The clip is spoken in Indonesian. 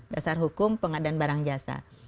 dasar hukum pengadaan barang jasa